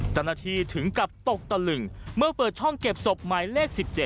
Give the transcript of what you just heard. เจ้าหน้าที่ถึงกับตกตะลึงเมื่อเปิดช่องเก็บศพหมายเลข๑๗